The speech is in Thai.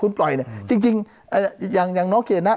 คุณปล่อยเนี้ยจริงจริงอ่าอย่างอย่างน้องเกณฑ์น่ะ